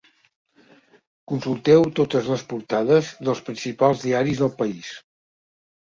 Consulteu totes les portades dels principals diaris del país.